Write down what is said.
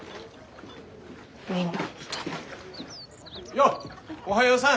ようおはようさん！